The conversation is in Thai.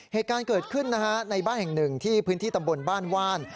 เหตุการณ์เกิดขึ้นนะฮะในบ้านแห่งหนึ่งที่พื้นที่ตำบลบ้านว่าน